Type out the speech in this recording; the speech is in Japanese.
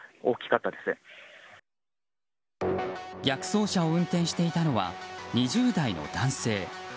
逆走車を運転していたのは２０代の男性。